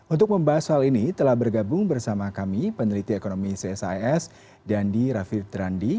untuk membahas soal ini telah bergabung bersama kami peneliti ekonomi csis dandi rafid randi